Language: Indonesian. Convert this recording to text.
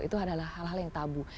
itu adalah hal hal yang tabu